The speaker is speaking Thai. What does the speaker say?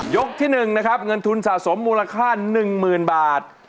ยกที่หนึ่งนะครับเงินทุนสะสมมูลค่า๑หมื่นบาท